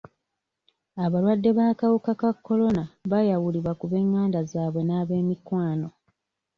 Abalwadde b'akawuka ka kolona baayawulibwa ku b'enganda zaabwe n'ab'emikwano.